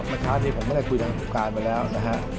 เมื่อเช้านี้ผมก็ได้คุยทางผู้การไปแล้วนะฮะ